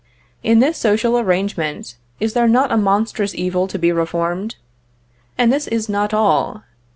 In this social arrangement, is there not a monstrous evil to be reformed? And this is not all.